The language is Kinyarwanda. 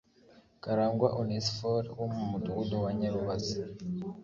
Karangwa Onesphore wo mu Mudugudu wa Nyarubazi